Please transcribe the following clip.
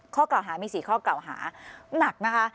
ข้อเก่าหามี๔ข้อเก่าหาหนักนะคะ